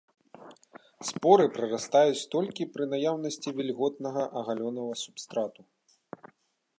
Споры прарастаюць толькі пры наяўнасці вільготнага аголенага субстрату.